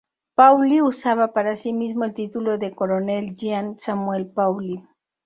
Pauly usaba para sí mismo el título de "Coronel Jean Samuel Pauly".